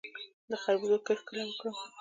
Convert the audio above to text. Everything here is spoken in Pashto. د خربوزو کښت کله وکړم؟